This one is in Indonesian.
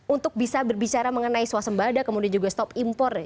untuk bisa berbicara mengenai suasembada kemudian juga stop impor